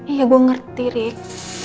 iya gue ngerti rik